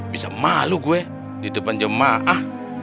bisa malu gue di depan jemaah